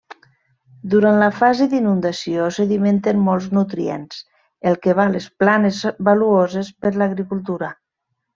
Durant la fase d'inundació sedimenten molts nutrients, el que va les planes valuoses per l'agricultura.